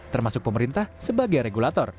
termasuk pemerintah sebagai regulator